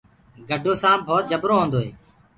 گَڊو سآنپ ڀوت جبرو هوندو هي۔